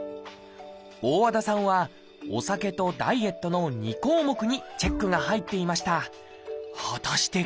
大和田さんは「お酒」と「ダイエット」の２項目にチェックが入っていました。